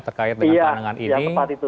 terkait dengan pandangan ini